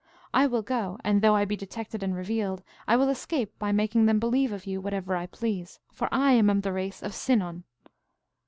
I will go, and, though I be detected and revealed, I will escape by making them believe of you whatever I please, for I am of the race of Sinon.